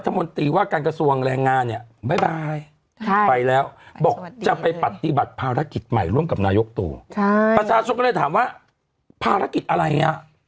ลัดมนตรีว่าการกระทรวงเรางานเนี่ย